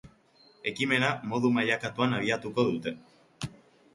Ekimena modu mailakatuan abiatuko dute.